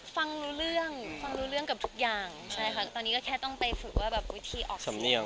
ฟังรู้เรื่องฟังรู้เรื่องกับทุกอย่างใช่ค่ะตอนนี้ก็แค่ต้องไปฝึกว่าแบบวิธีออกสำเนียง